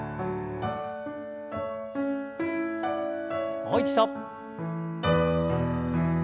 もう一度。